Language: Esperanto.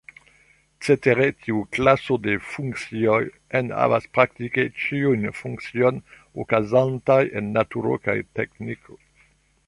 Cetere tiu klaso de funkcioj enhavas praktike ĉiujn funkciojn okazantaj en naturo kaj teĥniko.